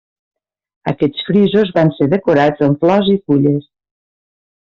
Aquests frisos van ser decorats amb flors i fulles.